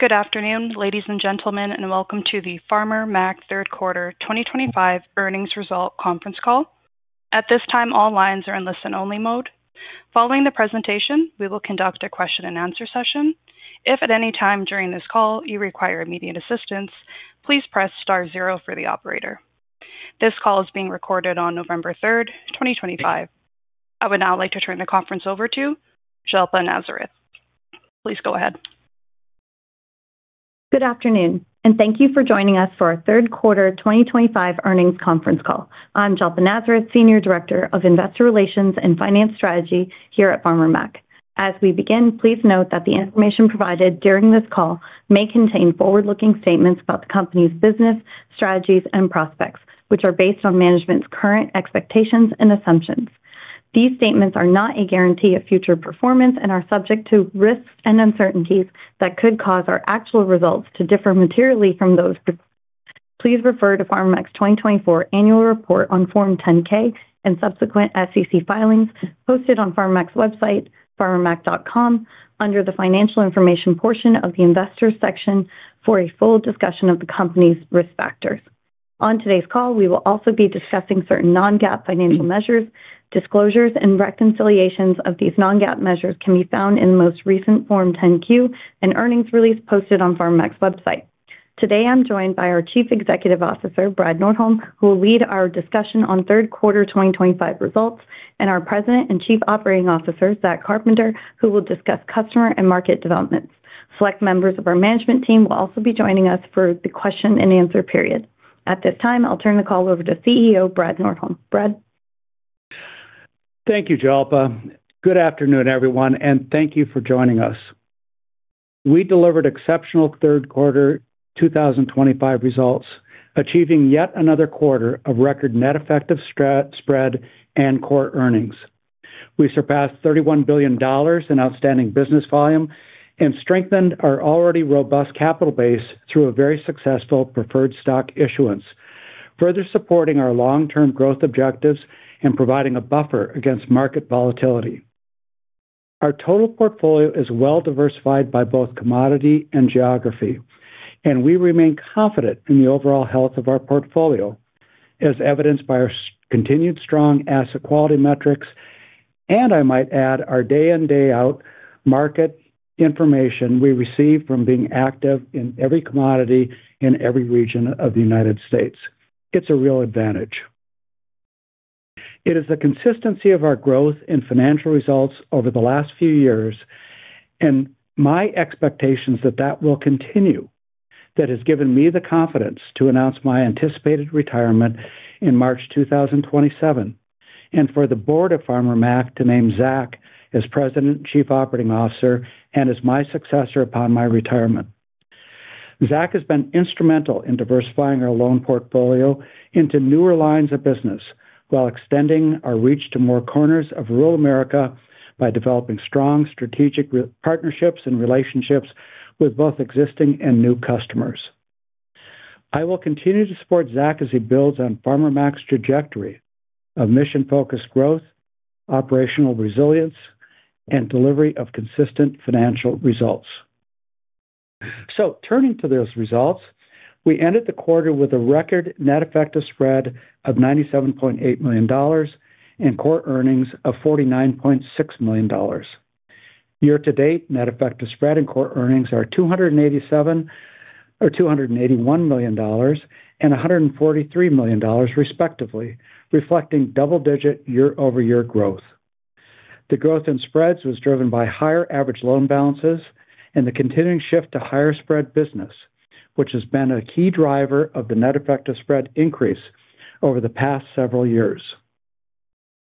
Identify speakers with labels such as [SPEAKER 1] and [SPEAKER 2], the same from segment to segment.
[SPEAKER 1] Good afternoon, ladies and gentlemen, and welcome to the Farmer Mac Third Quarter 2025 earnings result conference call. At this time, all lines are in listen-only mode. Following the presentation, we will conduct a question-and-answer session. If at any time during this call you require immediate assistance, please press star zero for the operator. This call is being recorded on November 3rd, 2025. I would now like to turn the conference over to Jalpa Nazareth. Please go ahead.
[SPEAKER 2] Good afternoon, and thank you for joining us for our Third Quarter 2025 earnings conference call. I'm Jalpa Nazareth, Senior Director of Investor Relations and Finance Strategy here at Farmer Mac. As we begin, please note that the information provided during this call may contain forward-looking statements about the company's business strategies and prospects, which are based on management's current expectations and assumptions. These statements are not a guarantee of future performance and are subject to risks and uncertainties that could cause our actual results to differ materially from those. Please refer to Farmer Mac's 2024 annual report on Form 10-K and subsequent SEC filings posted on Farmer Mac's website, farmermac.com, under the financial information portion of the investors' section for a full discussion of the company's risk factors. On today's call, we will also be discussing certain non-GAAP financial measures. Disclosures and reconciliations of these non-GAAP measures can be found in the most recent Form 10-Q and earnings release posted on Farmer Mac's website. Today, I'm joined by our Chief Executive Officer, Brad Nordholm, who will lead our discussion on Third Quarter 2025 results, and our President and Chief Operating Officer, Zach Carpenter, who will discuss customer and market developments. Select members of our management team will also be joining us for the question-and-answer period. At this time, I'll turn the call over to CEO Brad Nordholm. Brad.
[SPEAKER 3] Thank you, Jalpa. Good afternoon, everyone, and thank you for joining us. We delivered exceptional third quarter 2025 results, achieving yet another quarter of record net effective spread and core earnings. We surpassed $31 billion in outstanding business volume and strengthened our already robust capital base through a very successful preferred stock issuance, further supporting our long-term growth objectives and providing a buffer against market volatility. Our total portfolio is well-diversified by both commodity and geography, and we remain confident in the overall health of our portfolio, as evidenced by our continued strong asset quality metrics. I might add our day-in-day-out market information we receive from being active in every commodity in every region of the United States. It is a real advantage. It is the consistency of our growth in financial results over the last few years, and my expectations that that will continue, that has given me the confidence to announce my anticipated retirement in March 2027, and for the board of Farmer Mac to name Zach as President and Chief Operating Officer and as my successor upon my retirement. Zach has been instrumental in diversifying our loan portfolio into newer lines of business while extending our reach to more corners of rural America by developing strong strategic partnerships and relationships with both existing and new customers. I will continue to support Zach as he builds on Farmer Mac's trajectory of mission-focused growth, operational resilience, and delivery of consistent financial results. Turning to those results, we ended the quarter with a record net effective spread of $97.8 million and core earnings of $49.6 million. Year-to-date net effective spread and core earnings are $281 million and $143 million, respectively, reflecting double-digit year-over-year growth. The growth in spreads was driven by higher average loan balances and the continuing shift to higher spread business, which has been a key driver of the net effective spread increase over the past several years.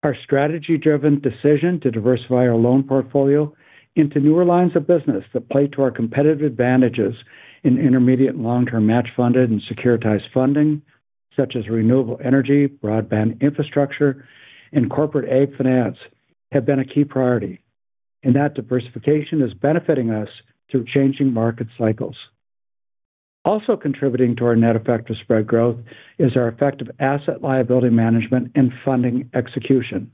[SPEAKER 3] Our strategy-driven decision to diversify our loan portfolio into newer lines of business that play to our competitive advantages in intermediate and long-term match-funded and securitized funding, such as renewable energy, broadband infrastructure, and corporate ag finance, have been a key priority, and that diversification is benefiting us through changing market cycles. Also contributing to our net effective spread growth is our effective asset-liability management and funding execution.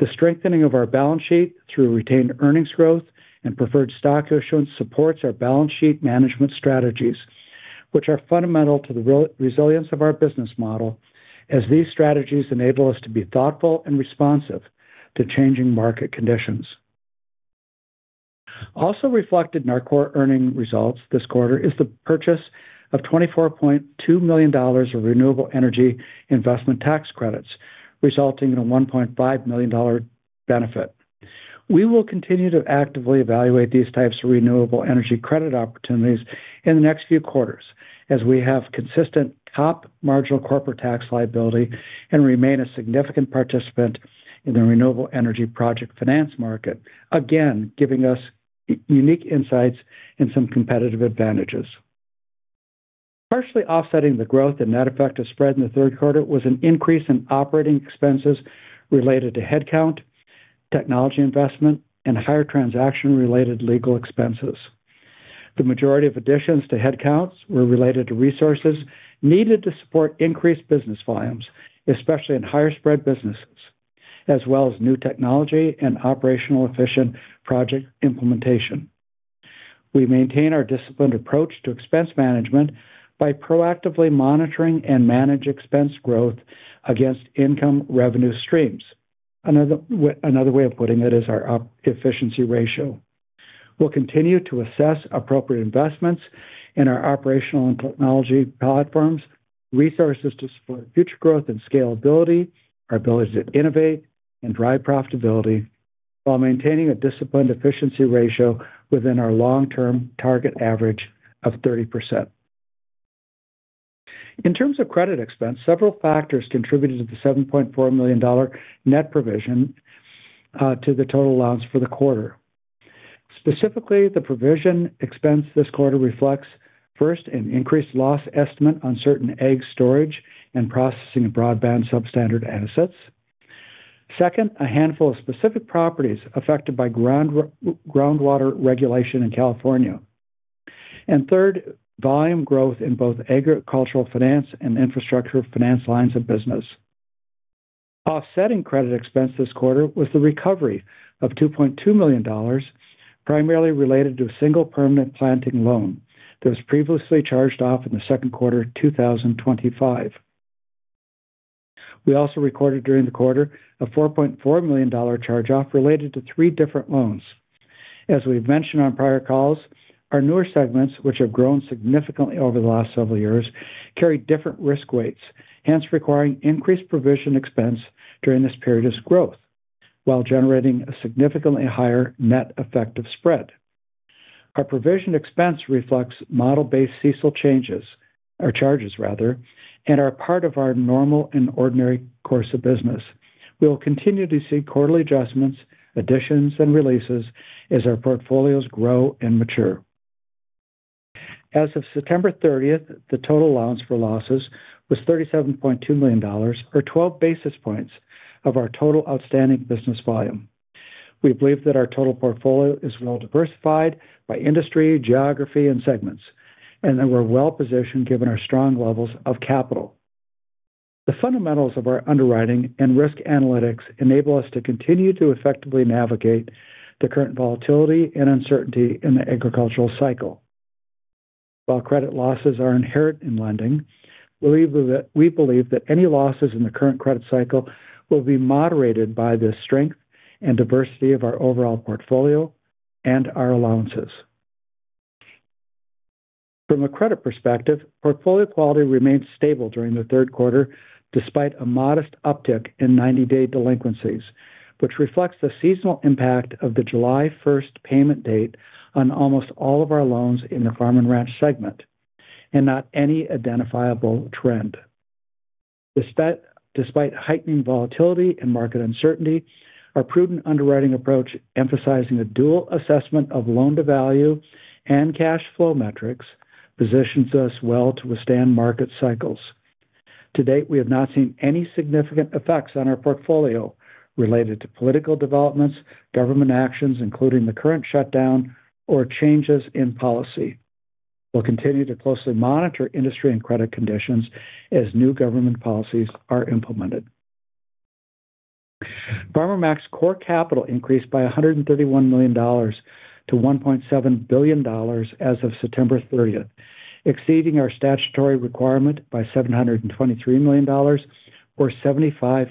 [SPEAKER 3] The strengthening of our balance sheet through retained earnings growth and preferred stock issuance supports our balance sheet management strategies, which are fundamental to the resilience of our business model, as these strategies enable us to be thoughtful and responsive to changing market conditions. Also reflected in our core earnings results this quarter is the purchase of $24.2 million of renewable energy investment tax credits, resulting in a $1.5 million benefit. We will continue to actively evaluate these types of renewable energy credit opportunities in the next few quarters, as we have consistent top marginal corporate tax liability and remain a significant participant in the renewable energy project finance market, again giving us unique insights and some competitive advantages. Partially offsetting the growth in net effective spread in the third quarter was an increase in operating expenses related to headcount, technology investment, and higher transaction-related legal expenses. The majority of additions to headcount were related to resources needed to support increased business volumes, especially in higher spread businesses, as well as new technology and operational efficient project implementation. We maintain our disciplined approach to expense management by proactively monitoring and managing expense growth against income revenue streams. Another way of putting it is our efficiency ratio. We'll continue to assess appropriate investments in our operational and technology platforms, resources to support future growth and scalability, our ability to innovate and drive profitability, while maintaining a disciplined efficiency ratio within our long-term target average of 30%. In terms of credit expense, several factors contributed to the $7.4 million net provision to the total allowance for the quarter. Specifically, the provision expense this quarter reflects, first, an increased loss estimate on certain ag storage and processing of broadband substandard assets. Second, a handful of specific properties affected by groundwater regulation in California. Third, volume growth in both agricultural finance and infrastructure finance lines of business. Offsetting credit expense this quarter was the recovery of $2.2 million, primarily related to a single permanent planting loan that was previously charged off in the second quarter of 2025. We also recorded during the quarter a $4.4 million charge-off related to three different loans. As we've mentioned on prior calls, our newer segments, which have grown significantly over the last several years, carry different risk weights, hence requiring increased provision expense during this period of growth while generating a significantly higher net effective spread. Our provision expense reflects model-based CECL changes, our charges, rather, and are part of our normal and ordinary course of business. We will continue to see quarterly adjustments, additions, and releases as our portfolios grow and mature. As of September 30, the total allowance for losses was $37.2 million, or 12 basis points of our total outstanding business volume. We believe that our total portfolio is well-diversified by industry, geography, and segments, and that we're well-positioned given our strong levels of capital. The fundamentals of our underwriting and risk analytics enable us to continue to effectively navigate the current volatility and uncertainty in the agricultural cycle. While credit losses are inherent in lending, we believe that any losses in the current credit cycle will be moderated by the strength and diversity of our overall portfolio and our allowances. From a credit perspective, portfolio quality remained stable during the third quarter despite a modest uptick in 90-day delinquencies, which reflects the seasonal impact of the July 1st payment date on almost all of our loans in the farm and ranch segment and not any identifiable trend. Despite heightening volatility and market uncertainty, our prudent underwriting approach, emphasizing a dual assessment of loan-to-value and cash flow metrics, positions us well to withstand market cycles. To date, we have not seen any significant effects on our portfolio related to political developments, government actions, including the current shutdown, or changes in policy. We'll continue to closely monitor industry and credit conditions as new government policies are implemented. Farmer Mac's core capital increased by $131 million–$1.7 billion as of September 30th, exceeding our statutory requirement by $723 million, or 75%.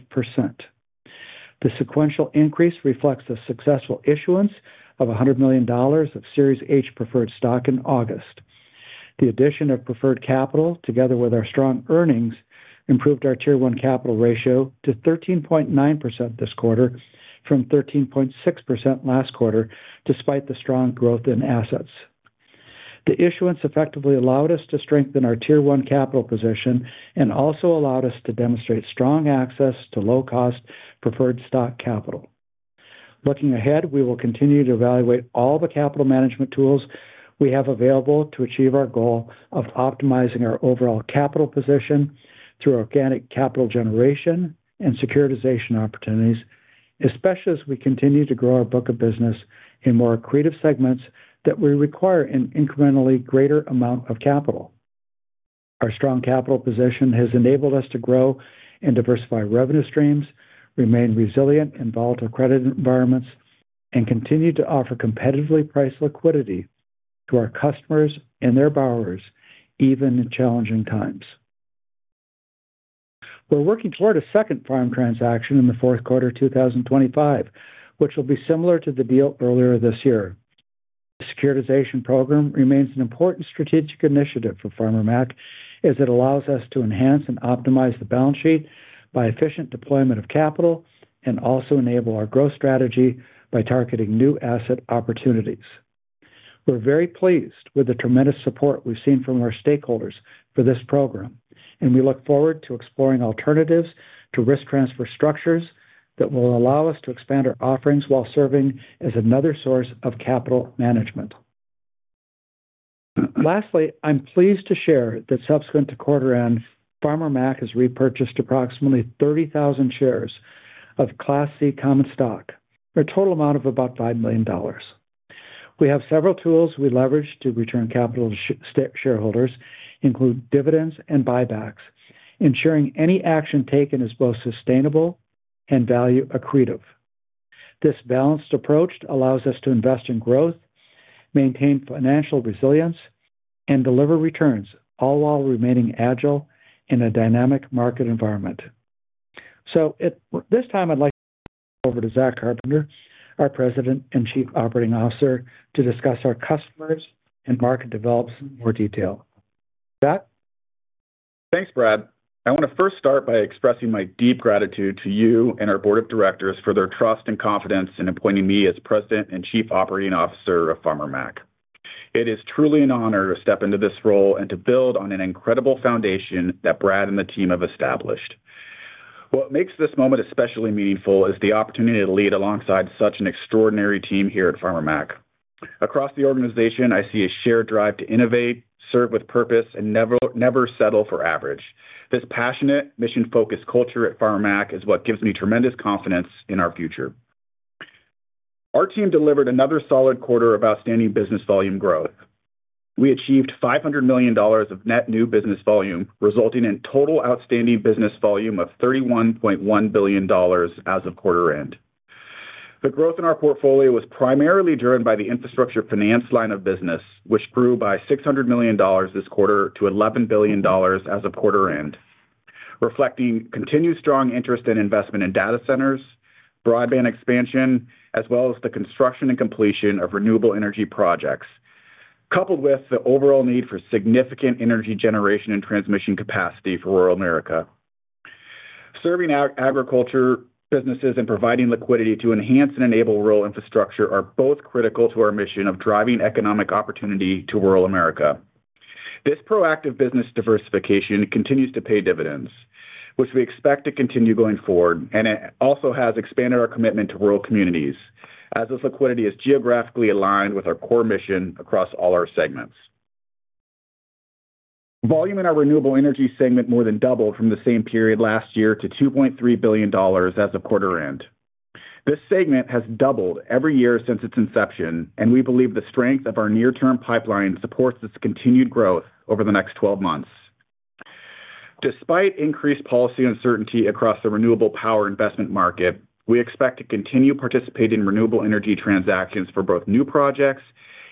[SPEAKER 3] The sequential increase reflects a successful issuance of $100 million of Series H preferred stock in August. The addition of preferred capital, together with our strong earnings, improved our Tier One capital ratio to 13.9% this quarter from 13.6% last quarter, despite the strong growth in assets. The issuance effectively allowed us to strengthen our Tier One capital position and also allowed us to demonstrate strong access to low-cost preferred stock capital. Looking ahead, we will continue to evaluate all the capital management tools we have available to achieve our goal of optimizing our overall capital position through organic capital generation and securitization opportunities, especially as we continue to grow our book of business in more accretive segments that will require an incrementally greater amount of capital. Our strong capital position has enabled us to grow and diversify revenue streams, remain resilient in volatile credit environments, and continue to offer competitively priced liquidity to our customers and their borrowers, even in challenging times. We're working toward a second farm transaction in the fourth quarter of 2025, which will be similar to the deal earlier this year. The securitization program remains an important strategic initiative for Farmer Mac as it allows us to enhance and optimize the balance sheet by efficient deployment of capital and also enable our growth strategy by targeting new asset opportunities. We're very pleased with the tremendous support we've seen from our stakeholders for this program, and we look forward to exploring alternatives to risk transfer structures that will allow us to expand our offerings while serving as another source of capital management. Lastly, I'm pleased to share that subsequent to quarter-end, Farmer Mac has repurchased approximately 30,000 shares of Class C common stock, a total amount of about $5 million. We have several tools we leverage to return capital to shareholders, including dividends and buybacks, ensuring any action taken is both sustainable and value-accretive. This balanced approach allows us to invest in growth, maintain financial resilience, and deliver returns, all while remaining agile in a dynamic market environment. At this time, I'd like to hand it over to Zach Carpenter, our President and Chief Operating Officer, to discuss our customers and market developments in more detail. Zach?
[SPEAKER 4] Thanks, Brad. I want to first start by expressing my deep gratitude to you and our Board of Directors for their trust and confidence in appointing me as President and Chief Operating Officer of Farmer Mac. It is truly an honor to step into this role and to build on an incredible foundation that Brad and the team have established. What makes this moment especially meaningful is the opportunity to lead alongside such an extraordinary team here at Farmer Mac. Across the organization, I see a shared drive to innovate, serve with purpose, and never settle for average. This passionate, mission-focused culture at Farmer Mac is what gives me tremendous confidence in our future. Our team delivered another solid quarter of outstanding business volume growth. We achieved $500 million of net new business volume, resulting in total outstanding business volume of $31.1 billion as of quarter-end. The growth in our portfolio was primarily driven by the infrastructure finance line of business, which grew by $600 million this quarter to $11 billion as of quarter-end, reflecting continued strong interest and investment in data centers, broadband expansion, as well as the construction and completion of renewable energy projects, coupled with the overall need for significant energy generation and transmission capacity for rural America. Serving agriculture businesses and providing liquidity to enhance and enable rural infrastructure are both critical to our mission of driving economic opportunity to rural America. This proactive business diversification continues to pay dividends, which we expect to continue going forward, and it also has expanded our commitment to rural communities, as this liquidity is geographically aligned with our core mission across all our segments. Volume in our renewable energy segment more than doubled from the same period last year to $2.3 billion as of quarter-end. This segment has doubled every year since its inception, and we believe the strength of our near-term pipeline supports this continued growth over the next 12 months. Despite increased policy uncertainty across the renewable power investment market, we expect to continue participating in renewable energy transactions for both new projects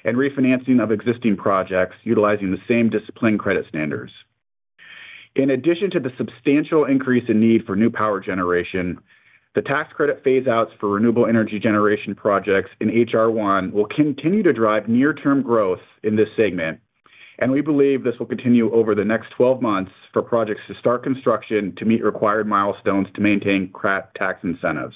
[SPEAKER 4] and refinancing of existing projects utilizing the same disciplined credit standards. In addition to the substantial increase in need for new power generation, the tax credit phase-outs for renewable energy generation projects in HR1 will continue to drive near-term growth in this segment, and we believe this will continue over the next 12 months for projects to start construction to meet required milestones to maintain crop tax incentives.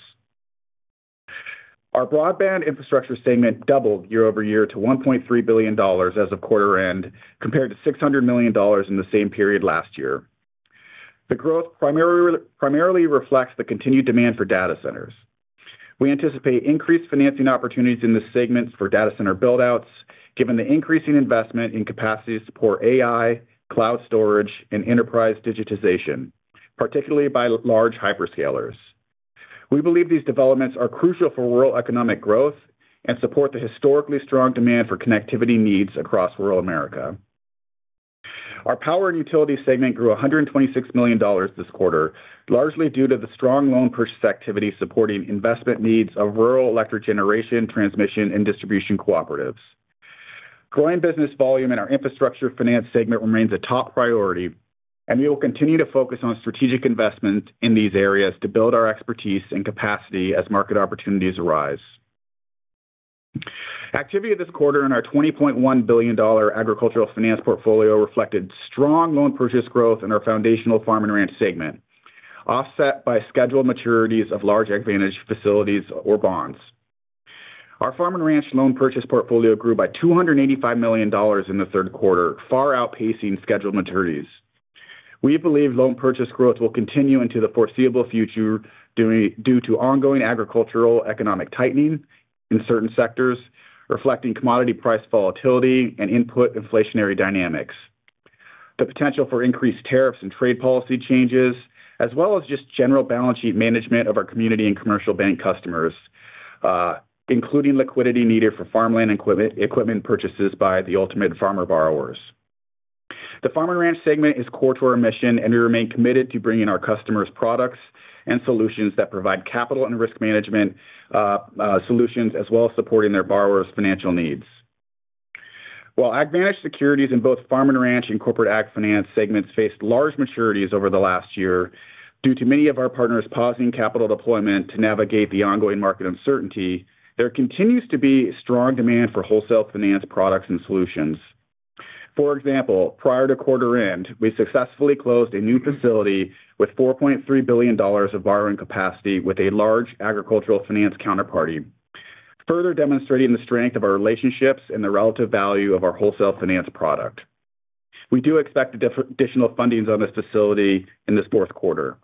[SPEAKER 4] Our broadband infrastructure segment doubled year-over-year to $1.3 billion as of quarter-end, compared to $600 million in the same period last year. The growth primarily reflects the continued demand for data centers. We anticipate increased financing opportunities in this segment for data center buildouts, given the increasing investment in capacity to support AI, cloud storage, and enterprise digitization, particularly by large hyperscalers. We believe these developments are crucial for rural economic growth and support the historically strong demand for connectivity needs across rural America. Our power and utility segment grew $126 million this quarter, largely due to the strong loan perspectivity supporting investment needs of rural electric generation, transmission, and distribution cooperatives. Growing business volume in our infrastructure finance segment remains a top priority, and we will continue to focus on strategic investment in these areas to build our expertise and capacity as market opportunities arise. Activity this quarter in our $20.1 billion agricultural finance portfolio reflected strong loan purchase growth in our foundational farm and ranch segment, offset by scheduled maturities of large AgVantage facilities or bonds. Our farm and ranch loan purchase portfolio grew by $285 million in the third quarter, far outpacing scheduled maturities. We believe loan purchase growth will continue into the foreseeable future due to ongoing agricultural economic tightening in certain sectors, reflecting commodity price volatility and input inflationary dynamics. The potential for increased tariffs and trade policy changes, as well as just general balance sheet management of our community and commercial bank customers, including liquidity needed for farmland equipment purchases by the ultimate farmer borrowers. The farm and ranch segment is core to our mission, and we remain committed to bringing our customers products and solutions that provide capital and risk management solutions, as well as supporting their borrowers' financial needs. While AgVantage securities in both farm and ranch and corporate ag finance segments faced large maturities over the last year due to many of our partners pausing capital deployment to navigate the ongoing market uncertainty, there continues to be strong demand for wholesale finance products and solutions. For example, prior to quarter-end, we successfully closed a new facility with $4.3 billion of borrowing capacity with a large agricultural finance counterparty, further demonstrating the strength of our relationships and the relative value of our wholesale finance product. We do expect additional fundings on this facility in this fourth quarter.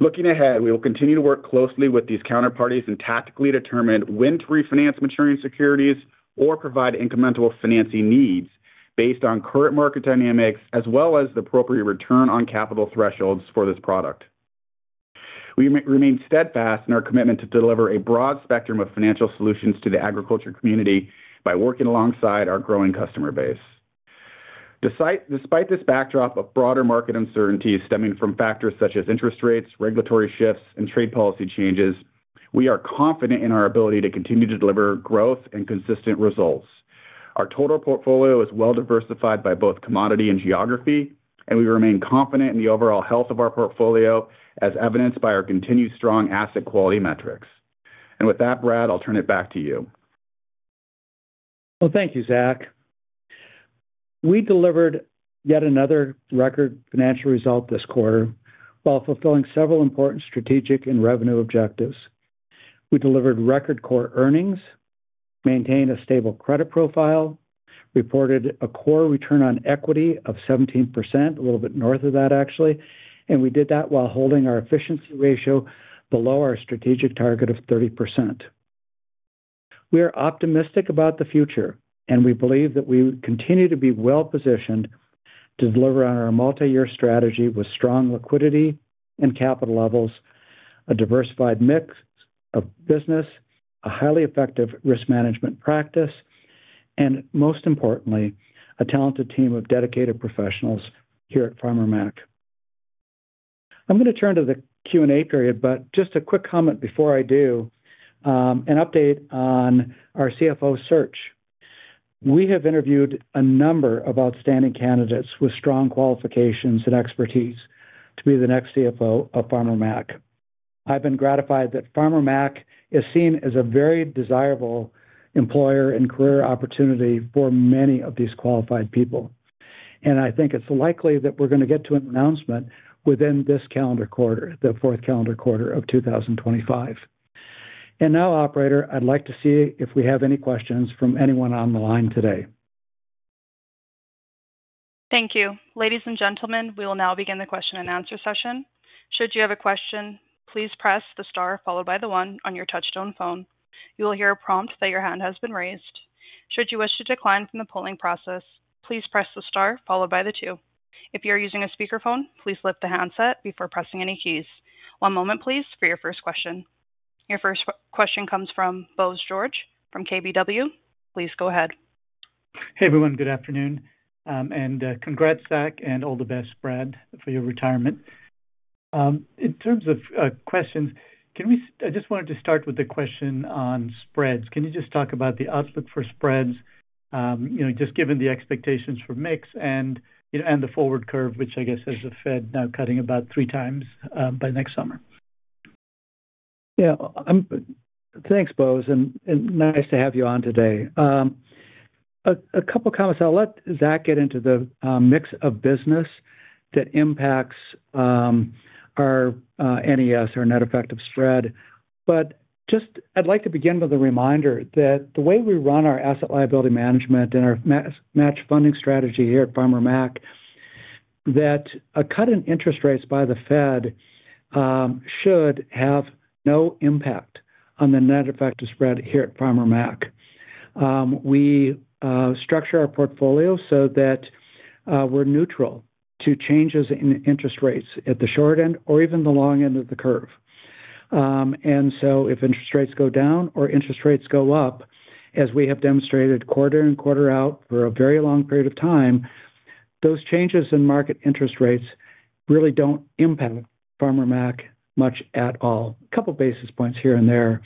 [SPEAKER 4] Looking ahead, we will continue to work closely with these counterparties and tactically determine when to refinance maturing securities or provide incremental financing needs based on current market dynamics, as well as the appropriate return on capital thresholds for this product. We remain steadfast in our commitment to deliver a broad spectrum of financial solutions to the agriculture community by working alongside our growing customer base. Despite this backdrop of broader market uncertainties stemming from factors such as interest rates, regulatory shifts, and trade policy changes, we are confident in our ability to continue to deliver growth and consistent results. Our total portfolio is well-diversified by both commodity and geography, and we remain confident in the overall health of our portfolio, as evidenced by our continued strong asset quality metrics. With that, Brad, I'll turn it back to you.
[SPEAKER 3] Thank you, Zach. We delivered yet another record financial result this quarter while fulfilling several important strategic and revenue objectives. We delivered record core earnings, maintained a stable credit profile, reported a core return on equity of 17%, a little bit north of that, actually, and we did that while holding our efficiency ratio below our strategic target of 30%. We are optimistic about the future, and we believe that we continue to be well-positioned to deliver on our multi-year strategy with strong liquidity and capital levels, a diversified mix of business, a highly effective risk management practice, and most importantly, a talented team of dedicated professionals here at Farmer Mac. I'm going to turn to the Q&A period, but just a quick comment before I do. An update on our CFO search. We have interviewed a number of outstanding candidates with strong qualifications and expertise to be the next CFO of Farmer Mac. I've been gratified that Farmer Mac is seen as a very desirable employer and career opportunity for many of these qualified people. I think it's likely that we're going to get to an announcement within this calendar quarter, the fourth calendar quarter of 2025. Now, Operator, I'd like to see if we have any questions from anyone on the line today.
[SPEAKER 1] Thank you. Ladies and gentlemen, we will now begin the question and answer session. Should you have a question, please press the star followed by the one on your touch-stone phone. You will hear a prompt that your hand has been raised. Should you wish to decline from the polling process, please press the star followed by the two. If you are using a speakerphone, please lift the handset before pressing any keys. One moment, please, for your first question. Your first question comes from Bose George from KBW. Please go ahead.
[SPEAKER 5] Hey, everyone. Good afternoon. Congrats, Zach, and all the best, Brad, for your retirement. In terms of questions, I just wanted to start with the question on spreads. Can you just talk about the outlook for spreads, just given the expectations for mix and the forward curve, which I guess has a Fed now cutting about three times by next summer?
[SPEAKER 3] Yeah. Thanks, Bose. Nice to have you on today. A couple of comments. I'll let Zach get into the mix of business that impacts our NES, our net effective spread. I'd like to begin with a reminder that the way we run our asset-liability management and our match-funded funding strategy here at Farmer Mac, a cut in interest rates by the Fed should have no impact on the net effective spread here at Farmer Mac. We structure our portfolio so that we're neutral to changes in interest rates at the short end or even the long end of the curve. If interest rates go down or interest rates go up, as we have demonstrated quarter in, quarter out for a very long period of time, those changes in market interest rates really do not impact Farmer Mac much at all. A couple of basis points here and there,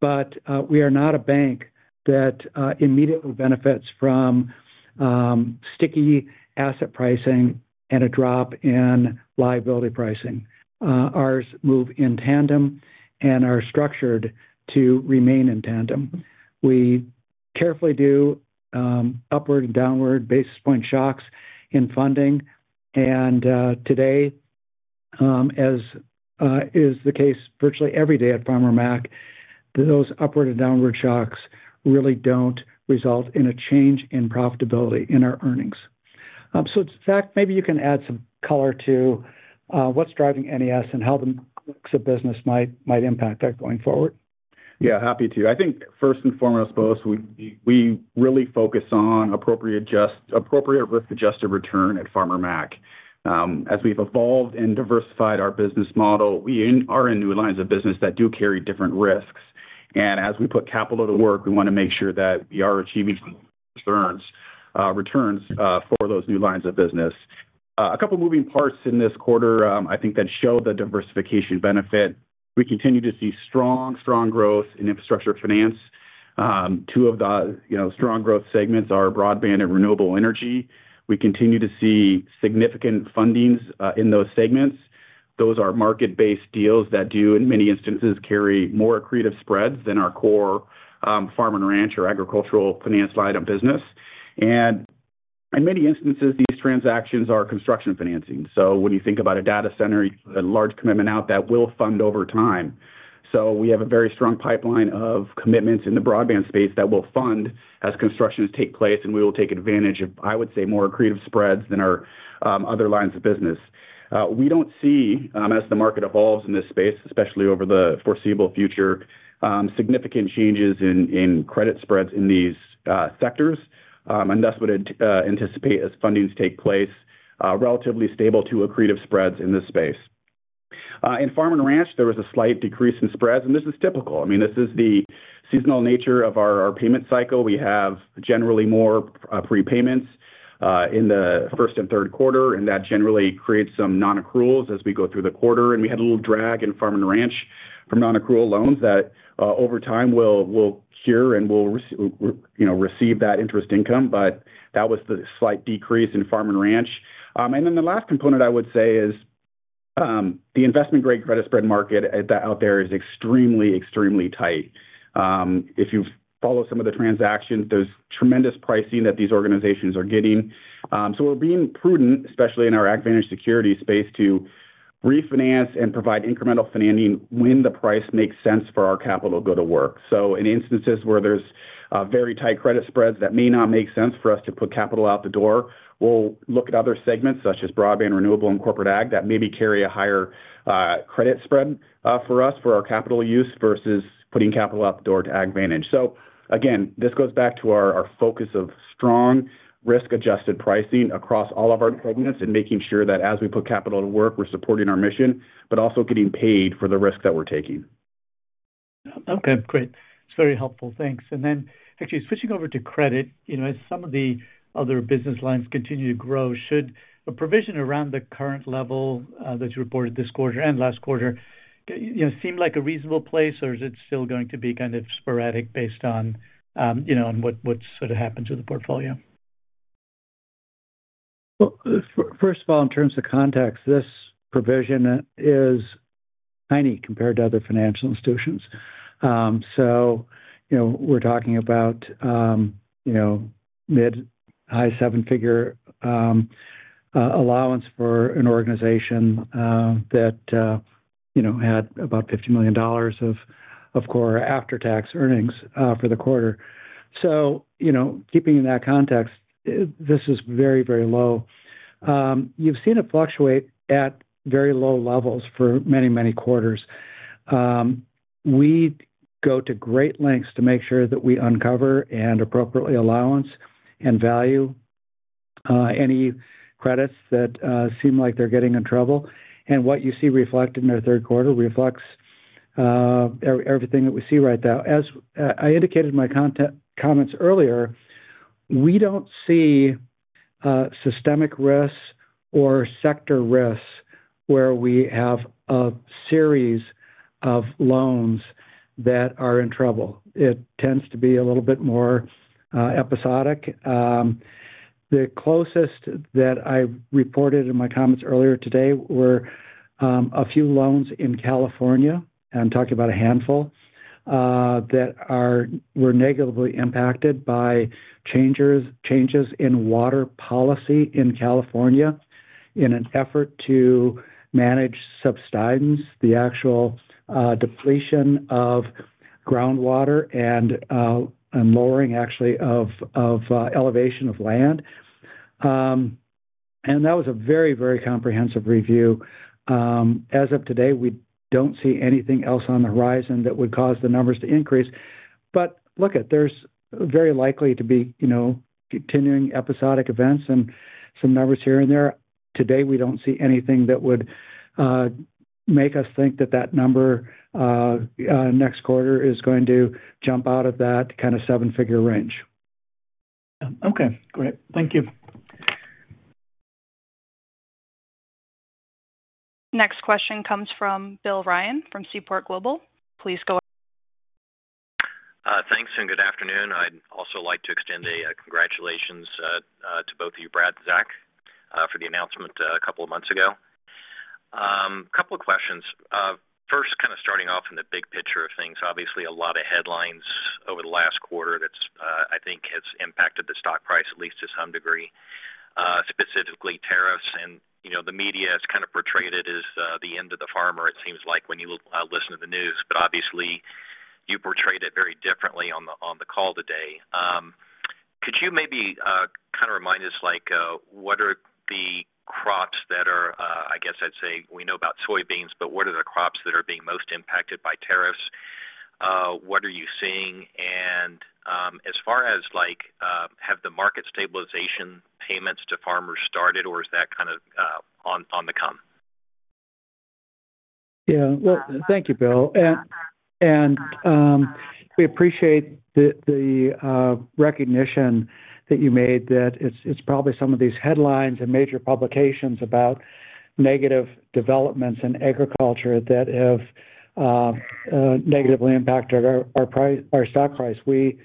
[SPEAKER 3] but we are not a bank that immediately benefits from sticky asset pricing and a drop in liability pricing. Ours move in tandem and are structured to remain in tandem. We carefully do upward and downward basis point shocks in funding. Today, as is the case virtually every day at Farmer Mac, those upward and downward shocks really do not result in a change in profitability in our earnings. Zach, maybe you can add some color to what is driving NES and how the mix of business might impact that going forward.
[SPEAKER 4] Yeah, happy to. I think first and foremost, Bose, we really focus on appropriate risk-adjusted return at Farmer Mac. As we have evolved and diversified our business model, we are in new lines of business that do carry different risks. As we put capital to work, we want to make sure that we are achieving returns for those new lines of business. A couple of moving parts in this quarter, I think, that show the diversification benefit. We continue to see strong, strong growth in infrastructure finance. Two of the strong growth segments are broadband and renewable energy. We continue to see significant fundings in those segments. Those are market-based deals that do, in many instances, carry more accretive spreads than our core farm and ranch or agricultural finance line of business. In many instances, these transactions are construction financing. When you think about a data center, a large commitment out that will fund over time. We have a very strong pipeline of commitments in the broadband space that will fund as constructions take place, and we will take advantage of, I would say, more accretive spreads than our other lines of business. We do not see, as the market evolves in this space, especially over the foreseeable future, significant changes in credit spreads in these sectors. That is what I anticipate as fundings take place, relatively stable to accretive spreads in this space. In farm and ranch, there was a slight decrease in spreads, and this is typical. I mean, this is the seasonal nature of our payment cycle. We have generally more prepayments in the first and third quarter, and that generally creates some non-accruals as we go through the quarter. We had a little drag in farm and ranch from non-accrual loans that over time will cure and we will receive that interest income. That was the slight decrease in farm and ranch. The last component I would say is the investment-grade credit spread market out there is extremely, extremely tight. If you follow some of the transactions, there is tremendous pricing that these organizations are getting. We're being prudent, especially in our AgVantage security space, to refinance and provide incremental financing when the price makes sense for our capital to go to work. In instances where there's very tight credit spreads that may not make sense for us to put capital out the door, we'll look at other segments such as broadband, renewable, and corporate ag that maybe carry a higher credit spread for us for our capital use versus putting capital out the door to AgVantage. This goes back to our focus of strong risk-adjusted pricing across all of our segments and making sure that as we put capital to work, we're supporting our mission, but also getting paid for the risks that we're taking.
[SPEAKER 3] Okay, great. It's very helpful. Thanks. Actually, switching over to credit, as some of the other business lines continue to grow, should a provision around the current level that you reported this quarter and last quarter seem like a reasonable place, or is it still going to be kind of sporadic based on what's sort of happened to the portfolio? First of all, in terms of context, this provision is tiny compared to other financial institutions. We're talking about mid-high seven-figure allowance for an organization that had about $50 million of core after-tax earnings for the quarter. Keeping in that context, this is very, very low. You've seen it fluctuate at very low levels for many, many quarters. We go to great lengths to make sure that we uncover and appropriately allowance and value any credits that seem like they're getting in trouble. What you see reflected in our third quarter reflects everything that we see right now. As I indicated in my comments earlier, we don't see systemic risks or sector risks where we have a series of loans that are in trouble. It tends to be a little bit more episodic. The closest that I reported in my comments earlier today were a few loans in California, and I'm talking about a handful, that were negatively impacted by changes in water policy in California in an effort to manage subsidence, the actual depletion of groundwater and lowering, actually, of elevation of land. That was a very, very comprehensive review. As of today, we don't see anything else on the horizon that would cause the numbers to increase. There's very likely to be continuing episodic events and some numbers here and there. Today, we don't see anything that would make us think that that number next quarter is going to jump out of that kind of seven-figure range.
[SPEAKER 5] Okay, great. Thank you.
[SPEAKER 1] Next question comes from Bill Ryan from Seaport Global. Please go ahead.
[SPEAKER 6] Thanks and good afternoon. I'd also like to extend a congratulations to both of you, Brad and Zach, for the announcement a couple of months ago. A couple of questions. First, kind of starting off in the big picture of things, obviously, a lot of headlines over the last quarter that I think has impacted the stock price at least to some degree. Specifically, tariffs. The media has kind of portrayed it as the end of the farmer, it seems like, when you listen to the news. Obviously, you portrayed it very differently on the call today. Could you maybe kind of remind us, what are the crops that are, I guess I'd say we know about soybeans, but what are the crops that are being most impacted by tariffs? What are you seeing? As far as, have the market stabilization payments to farmers started, or is that kind of on the come?
[SPEAKER 3] Yeah. Thank you, Bill. We appreciate the recognition that you made that it's probably some of these headlines and major publications about negative developments in agriculture that have negatively impacted our stock price. We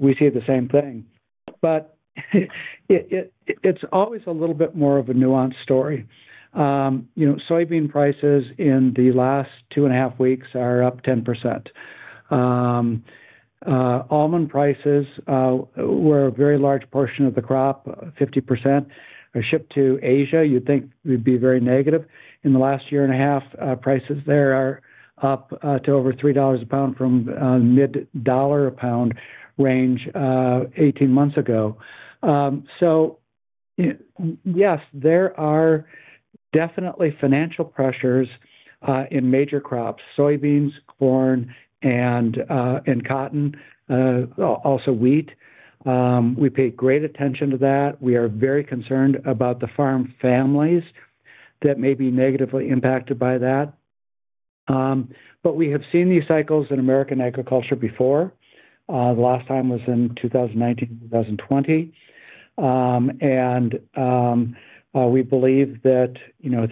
[SPEAKER 3] see the same thing. It's always a little bit more of a nuanced story. Soybean prices in the last two and a half weeks are up 10%. Almond prices, where a very large portion of the crop, 50%, shipped to Asia, you'd think it would be very negative. In the last year and a half, prices there are up to over $3 a pound from the mid-dollar a pound range 18 months ago. Yes, there are definitely financial pressures in major crops, soybeans, corn, and cotton. Also wheat. We pay great attention to that. We are very concerned about the farm families that may be negatively impacted by that. We have seen these cycles in American agriculture before. The last time was in 2019, 2020. We believe that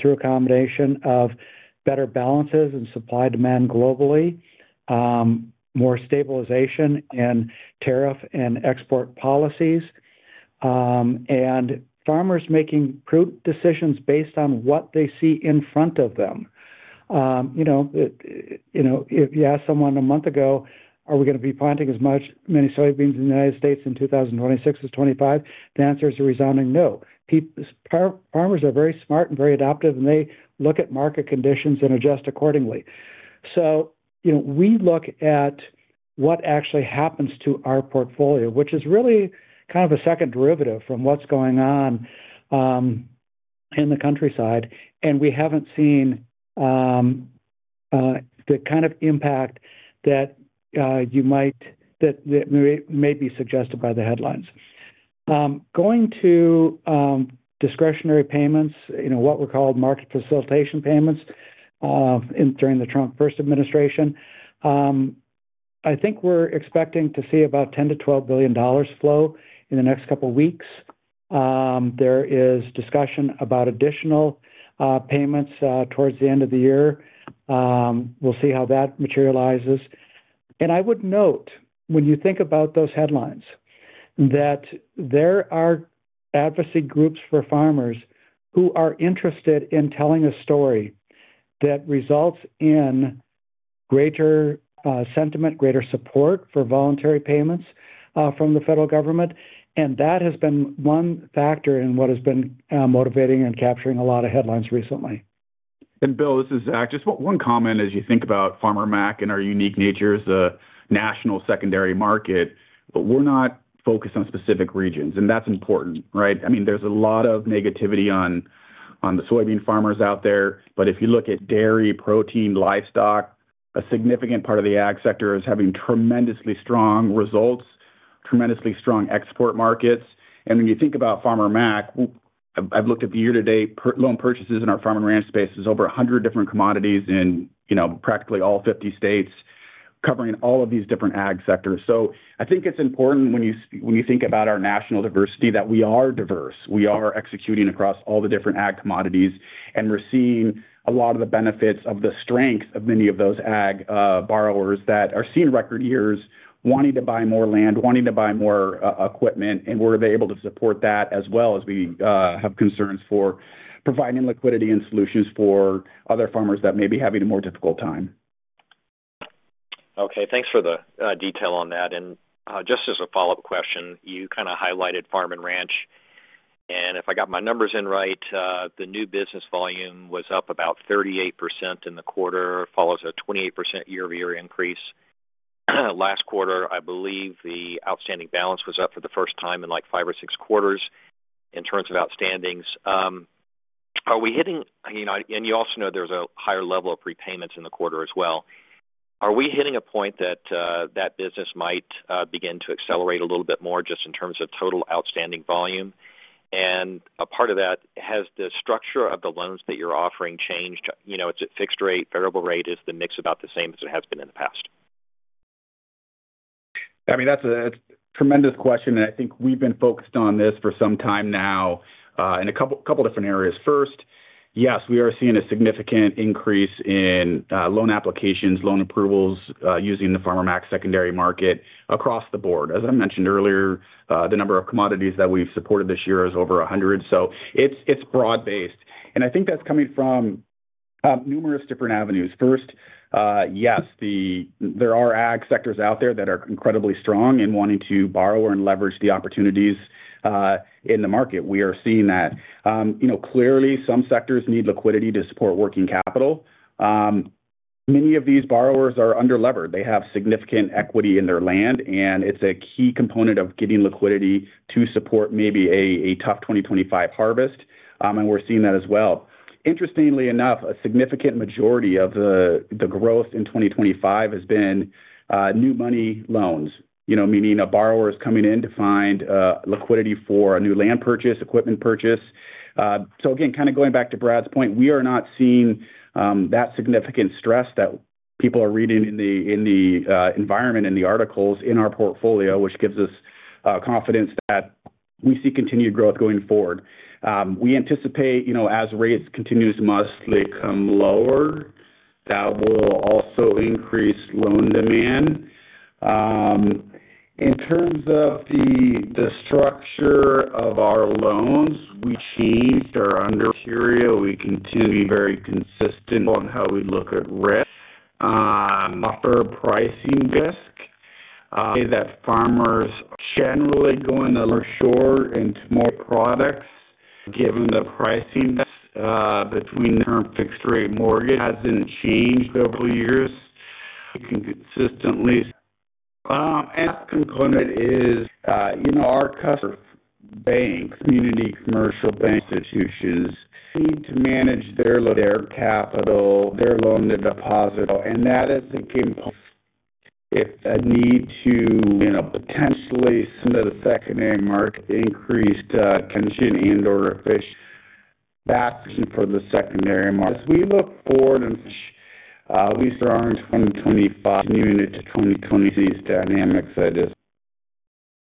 [SPEAKER 3] through a combination of better balances in supply and demand globally, more stabilization in tariff and export policies, and farmers making prudent decisions based on what they see in front of them. If you asked someone a month ago, "Are we going to be planting as many soybeans in the United States in 2026 as 2025?" The answer is a resounding no. Farmers are very smart and very adaptive, and they look at market conditions and adjust accordingly. We look at what actually happens to our portfolio, which is really kind of a second derivative from what's going on in the countryside. We haven't seen the kind of impact that you might, may be suggested by the headlines. Going to discretionary payments, what were called market facilitation payments during the Trump first administration, I think we're expecting to see about $10 billion–$12 billion flow in the next couple of weeks. There is discussion about additional payments towards the end of the year. We'll see how that materializes. I would note, when you think about those headlines, that there are advocacy groups for farmers who are interested in telling a story that results in. Greater sentiment, greater support for voluntary payments from the federal government. That has been one factor in what has been motivating and capturing a lot of headlines recently.
[SPEAKER 4] Bill, this is Zach. Just one comment as you think about Farmer Mac and our unique nature as a national secondary market, but we are not focused on specific regions. That is important, right? I mean, there is a lot of negativity on the soybean farmers out there. If you look at dairy, protein, livestock, a significant part of the ag sector is having tremendously strong results, tremendously strong export markets. When you think about Farmer Mac, I have looked at the year-to-date loan purchases in our farm and ranch space. There are over 100 different commodities in practically all 50 states, covering all of these different ag sectors. I think it is important when you think about our national diversity that we are diverse. We are executing across all the different ag commodities, and we are seeing a lot of the benefits of the strength of many of those ag borrowers that are seeing record years, wanting to buy more land, wanting to buy more equipment. We are able to support that as well as we have concerns for providing liquidity and solutions for other farmers that may be having a more difficult time.
[SPEAKER 6] Okay. Thanks for the detail on that. Just as a follow-up question, you kind of highlighted farm and ranch. If I got my numbers in right, the new business volume was up about 38% in the quarter, follows a 28% year-over-year increase. Last quarter, I believe the outstanding balance was up for the first time in like five or six quarters in terms of outstandings. Are we hitting—you also know there is a higher level of prepayments in the quarter as well—are we hitting a point that that business might begin to accelerate a little bit more just in terms of total outstanding volume? A part of that, has the structure of the loans that you are offering changed? Is it fixed rate? Variable rate? Is the mix about the same as it has been in the past?
[SPEAKER 4] I mean, that is a tremendous question. I think we have been focused on this for some time now in a couple of different areas. First, yes, we are seeing a significant increase in loan applications, loan approvals using the Farmer Mac secondary market across the board. As I mentioned earlier, the number of commodities that we have supported this year is over 100. It is broad-based. I think that is coming from numerous different avenues. First, yes, there are ag sectors out there that are incredibly strong in wanting to borrow and leverage the opportunities in the market. We are seeing that. Clearly, some sectors need liquidity to support working capital. Many of these borrowers are under-levered. They have significant equity in their land, and it is a key component of getting liquidity to support maybe a tough 2025 harvest. We're seeing that as well. Interestingly enough, a significant majority of the growth in 2025 has been new money loans, meaning a borrower is coming in to find liquidity for a new land purchase, equipment purchase. Again, kind of going back to Brad's point, we are not seeing that significant stress that people are reading in the environment, in the articles, in our portfolio, which gives us confidence that we see continued growth going forward. We anticipate, as rates continue to mostly come lower, that will also increase loan demand. In terms of the structure of our loans, we changed our criteria. We continue to be very consistent on how we look at risk, offer pricing risk. Farmers are generally going to look for more products given the pricing. Between term fixed-rate mortgage hasn't changed over the years. We can consistently. The last component is our customers. Banks, community commercial bank institutions need to manage their capital, their loan to deposit. That is the key point. If the need to potentially send to the secondary market increased tension and/or efficient, that's for the secondary market. As we look forward and we are in 2025, continuing into 2020, these dynamics, I guess.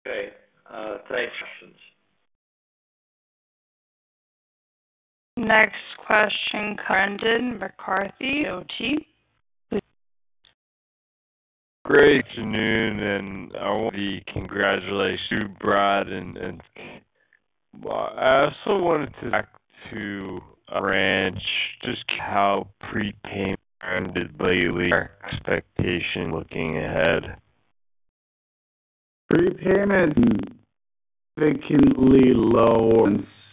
[SPEAKER 6] Okay. Thanks. Questions.
[SPEAKER 1] Next question. Brendan McCarthy, OT.
[SPEAKER 7] Good afternoon. I want to congratulate you, Brad. I also wanted to ranch, just how prepayment lately are expectations looking ahead?
[SPEAKER 4] Prepayments are significantly lower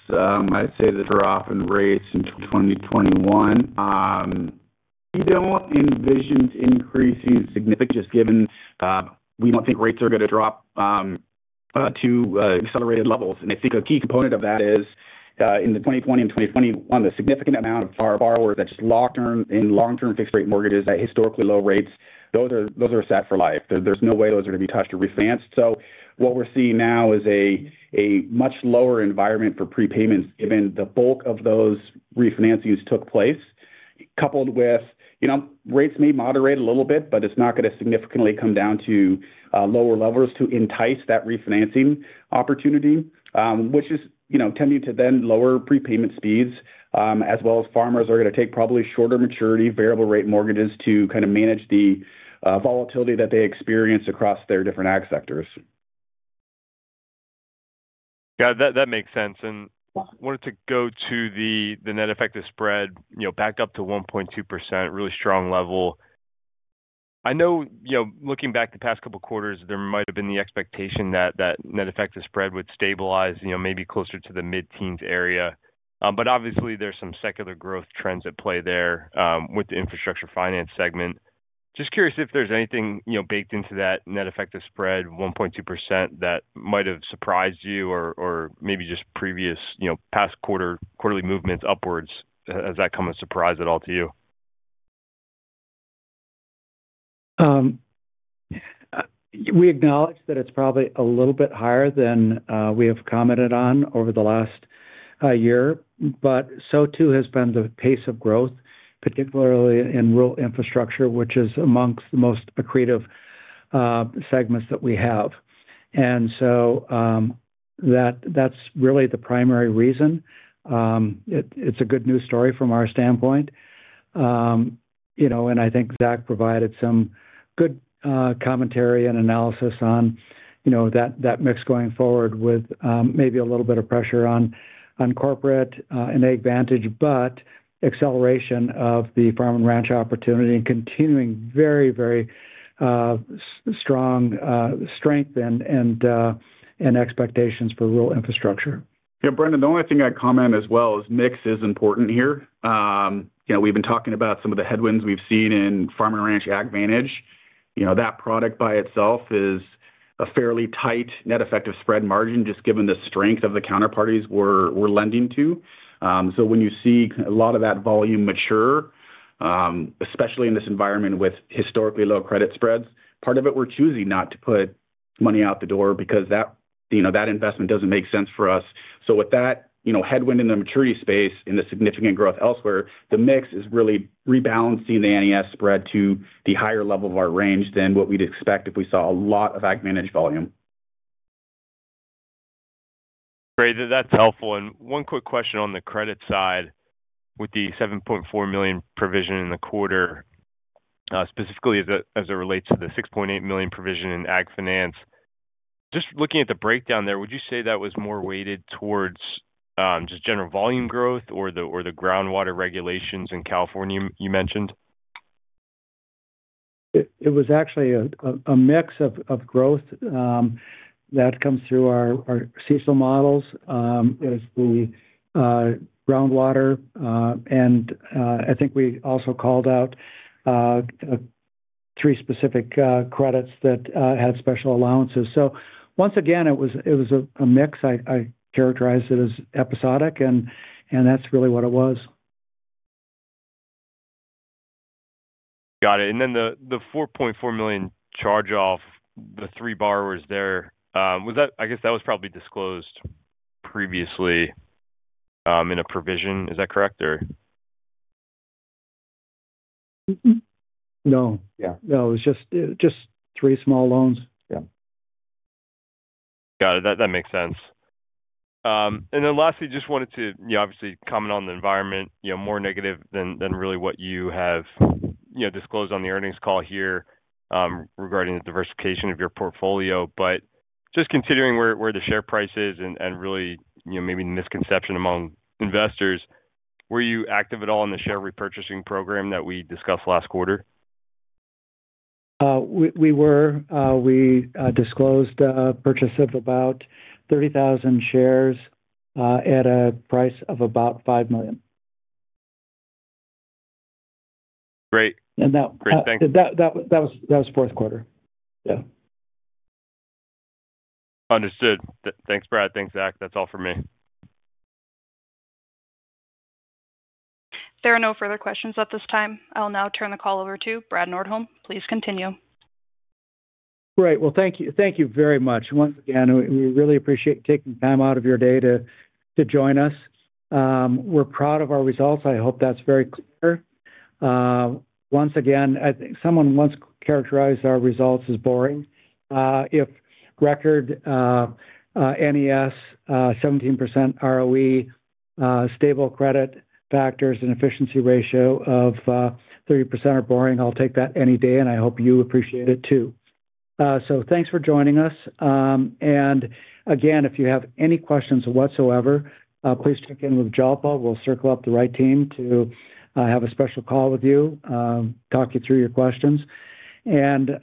[SPEAKER 4] than I'd say the drop in rates in 2021. We do not envision increasing significantly just given we do not think rates are going to drop to accelerated levels. I think a key component of that is in 2020 and 2021, the significant amount of borrowers that just locked in long-term fixed-rate mortgages at historically low rates, those are set for life. There is no way those are going to be touched or refinanced. What we're seeing now is a much lower environment for prepayments given the bulk of those refinancings took place, coupled with rates may moderate a little bit, but it's not going to significantly come down to lower levels to entice that refinancing opportunity, which is tending to then lower prepayment speeds, as well as farmers are going to take probably shorter maturity variable-rate mortgages to kind of manage the volatility that they experience across their different ag sectors.
[SPEAKER 7] Yeah, that makes sense. I wanted to go to the net effective spread back up to 1.2%, really strong level. I know looking back the past couple of quarters, there might have been the expectation that net effective spread would stabilize maybe closer to the mid-teens area. Obviously, there are some secular growth trends at play there with the infrastructure finance segment. Just curious if there's anything baked into that net effective spread, 1.2%, that might have surprised you or maybe just previous past quarterly movements upwards. Has that come as a surprise at all to you?
[SPEAKER 3] We acknowledge that it's probably a little bit higher than we have commented on over the last year, but so too has been the pace of growth, particularly in rural infrastructure, which is amongst the most accretive segments that we have. That's really the primary reason. It's a good news story from our standpoint. I think Zach provided some good commentary and analysis on that mix going forward with maybe a little bit of pressure on corporate and AgVantage, but acceleration of the farm and ranch opportunity and continuing very, very strong strength and expectations for rural infrastructure.
[SPEAKER 4] Yeah, Brendan, the only thing I'd comment as well is mix is important here. We've been talking about some of the headwinds we've seen in farm and ranch AgVantage. That product by itself is a fairly tight net effective spread margin just given the strength of the counterparties we're lending to. When you see a lot of that volume mature, especially in this environment with historically low credit spreads, part of it, we're choosing not to put money out the door because that investment doesn't make sense for us. With that headwind in the maturity space and the significant growth elsewhere, the mix is really rebalancing the NES spread to the higher level of our range than what we'd expect if we saw a lot of AgVantage volume.
[SPEAKER 7] Great. That's helpful. One quick question on the credit side with the $7.4 million provision in the quarter. Specifically as it relates to the $6.8 million provision in ag finance. Just looking at the breakdown there, would you say that was more weighted towards just general volume growth or the groundwater regulations in California you mentioned?
[SPEAKER 3] It was actually a mix of growth that comes through our seasonal models. Groundwater. I think we also called out three specific credits that had special allowances. Once again, it was a mix. I characterized it as episodic, and that's really what it was.
[SPEAKER 7] Got it. The $4.4 million charge-off, the three borrowers there, I guess that was probably disclosed previously in a provision. Is that correct, or?
[SPEAKER 3] No. Yeah. No, it was just three small loans.
[SPEAKER 7] Yeah. Got it. That makes sense. Lastly, just wanted to obviously comment on the environment, more negative than really what you have disclosed on the earnings call here regarding the diversification of your portfolio. Just considering where the share price is and really maybe the misconception among investors, were you active at all in the share repurchasing program that we discussed last quarter?
[SPEAKER 3] We were. We disclosed a purchase of about 30,000 shares at a price of about $5 million.
[SPEAKER 7] Great. Thank you.
[SPEAKER 3] That was fourth quarter.
[SPEAKER 7] Yeah. Understood. Thanks, Brad. Thanks, Zach. That's all for me.
[SPEAKER 1] If there are no further questions at this time, I'll now turn the call over to Brad Nordholm. Please continue. Great.
[SPEAKER 3] Thank you very much once again. We really appreciate taking time out of your day to join us. We're proud of our results. I hope that's very clear. Once again, someone once characterized our results as boring. If record NES, 17% ROE, stable credit factors, and efficiency ratio of 30% are boring, I'll take that any day, and I hope you appreciate it too. Thanks for joining us. If you have any questions whatsoever, please check in with Jalpa. We'll circle up the right team to have a special call with you, talk you through your questions.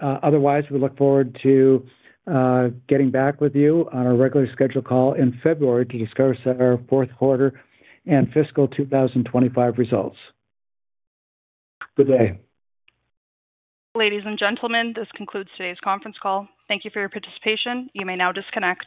[SPEAKER 3] Otherwise, we look forward to getting back with you on our regularly scheduled call in February to discuss our fourth quarter and fiscal 2025 results. Good day.
[SPEAKER 1] Ladies and gentlemen, this concludes today's conference call. Thank you for your participation. You may now disconnect.